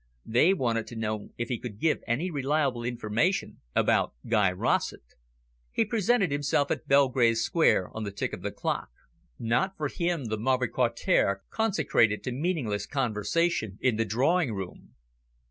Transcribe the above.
They wanted to know if he could give any reliable information about Guy Rossett. He presented himself at Belgrave Square on the tick of the clock. Not for him the mauvais quart d'heure consecrated to meaningless conversation in the drawing room.